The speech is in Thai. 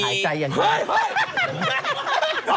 โถงเท่าไหล่หรือเปล่า